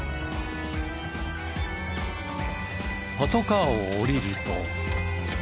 パトカーを降りると。